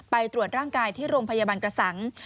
ไปตรวจร่างกายที่โรงพยาบาลกระสัง